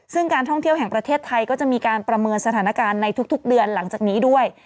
ซึ่งการท่องเที่ยวแห่งประเทศไทยก็จะมีการประเมินสถานการณ์ในทุกเดือนหลังจากนี้ด้วย